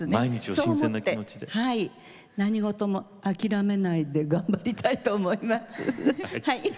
そう思って何事も諦めないで頑張りたいと思います。